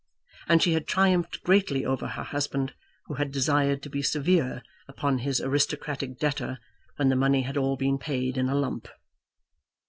And she had triumphed greatly over her husband, who had desired to be severe upon his aristocratic debtor, when the money had all been paid in a lump.